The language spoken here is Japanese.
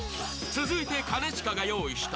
続いて兼近が用意した